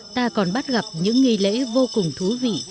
ta còn bắt gặp những nghi lễ vô cùng thú vị